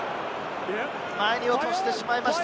前に落としてしまいました！